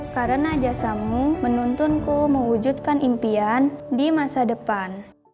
karena jasamu menuntunku mewujudkan impian di masa depan